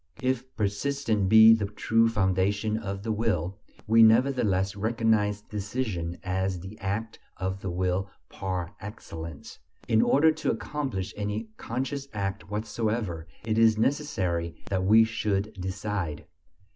If persistence be the true foundation of the will, we nevertheless recognize decision as the act of the will par excellence. In order to accomplish any conscious act whatever, it is necessary that we should decide.